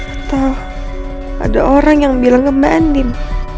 atau ada orang yang bilang ke mbak adin